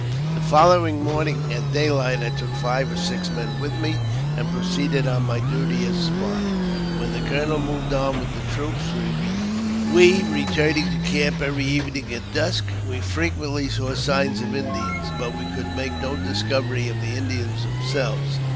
The following morning, at daylight, I took five or six men with me, and proceeded on my duty as spy, while the colonel moved on with the troops, we returning to camp every evening at dusk. We frequently saw signs of Indians, but we could make no discovery of the Indians themselves.